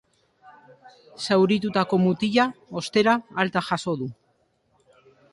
Zauritutako mutila, ostera, alta jaso du.